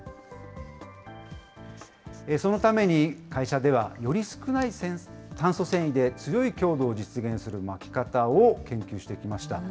そのために、会社ではより少ない炭素繊維で強い強度を実現する巻き方を研究してきました。